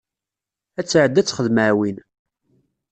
Ad tɛeddi ad texdem aɛwin.